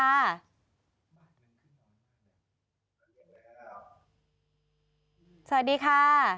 สวัสดีค่ะ